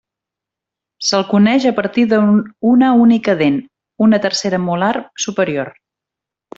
Se'l coneix a partir d'una única dent, una tercera molar superior.